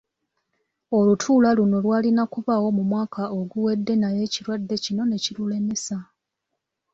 Olutuula luno lwalina kubaawo mu mwaka oguwedde naye ekirwadde kino ne kirulemesa.